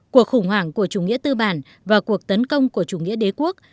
cuộc khủng hoảng của chủ nghĩa tư bản và cuộc tấn công của chủ nghĩa đế quốc